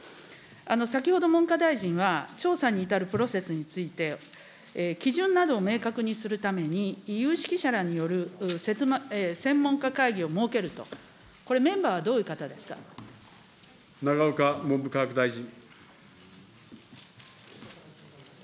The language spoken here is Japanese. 先ほど、文科大臣は調査に至るプロセスについて、基準などを明確にするために、有識者らによる専門家会議を設けると、これ、メンバーはど永岡文部科学大臣。